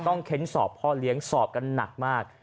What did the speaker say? เค้นสอบพ่อเลี้ยงสอบกันหนักมาก